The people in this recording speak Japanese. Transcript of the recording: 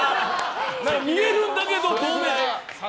見えるんだけど透明。